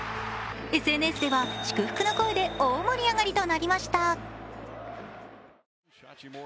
ＳＮＳでは、祝福の声で大盛り上がりとなりました。